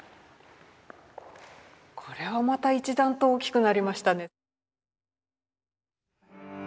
これはまた一段と大きくなりましたね。